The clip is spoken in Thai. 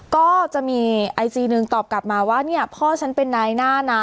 ก็จะมีไอจีหนึ่งตอบกลับมาว่าเนี่ยพ่อฉันเป็นนายหน้านะ